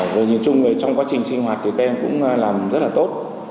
về nhìn chung thì trong quá trình sinh hoạt thì các em cũng làm rất là tốt